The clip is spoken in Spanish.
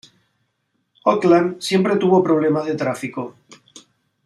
Auckland siempre tuvo problemas de tráfico.